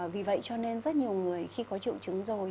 vì vậy cho nên rất nhiều người khi có triệu chứng rồi